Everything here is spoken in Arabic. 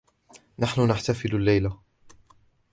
نحن نحتفل الليلة.